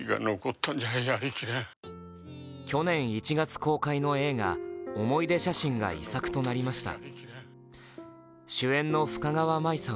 去年１月公開の映画「おもいで写眞」が遺作となりました。